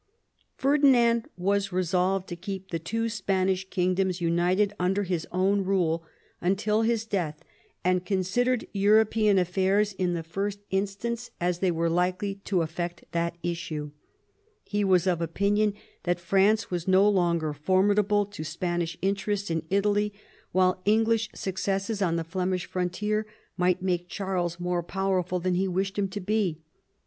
Ferdinand was resolved to keep the two Spanish kingdoms united under his own rule until his death, and considered European afiairs in the first instance as they were likely to affect that issue. He was of opinion that France was no longer formidable to Spanish interests in Italy, while English successes on the Flemish frontier might make Charles more powerful than he wished him to be.